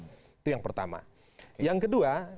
itu yang pertama yang kedua